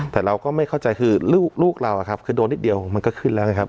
แต่เราก็ไม่เข้าใจคือลูกเราคือโดนนิดเดียวมันก็ขึ้นแล้วไงครับ